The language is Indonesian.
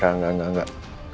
enggak enggak enggak